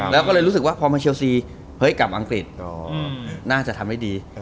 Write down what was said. แล้วก็เลยรู้สึกว่าพอมาเชลซีเฮ้ยกลับอังกฤษน่าจะทำได้ดี